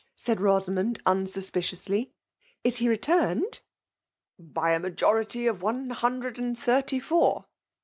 said Rosamond, unsuspiciouiiy, '' Is he returned ?'*'' By a majority of one hundred and thirty four."